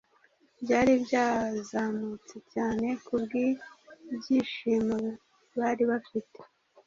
byari byazamutse cyane kubw'ibyishimo bari bafite.